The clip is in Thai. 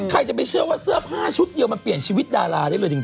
ใครจะไปเชื่อว่าเสื้อผ้าชุดเดียวมันเปลี่ยนชีวิตดาราได้เลยจริง